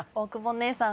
姉さん！